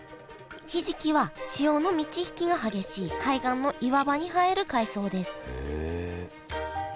ひじきは潮の満ち引きが激しい海岸の岩場に生える海藻ですへえ。